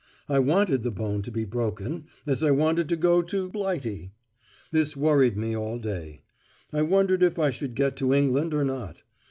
I wanted the bone to be broken, as I wanted to go to "Blighty." This worried me all day. I wondered if I should get to England or not.